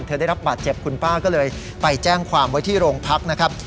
ได้รับบาดเจ็บคุณป้าก็เลยไปแจ้งความไว้ที่โรงพักนะครับ